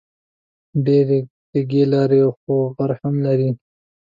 ډېرې کږې لارې خو غر هم لري